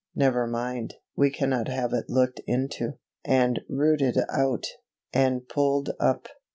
Never mind; we cannot have it looked into, and rooted out, and pulled up.